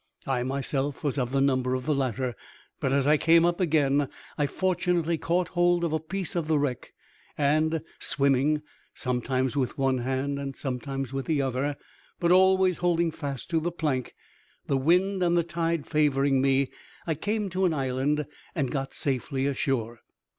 I myself was of the number of the latter; but, as I came up again, I fortunately caught hold of a piece of the wreck, and swimming, sometimes with one hand and sometimes with the other, but always holding fast the plank, the wind and the tide favoring me, I came to an island, and got safely ashore.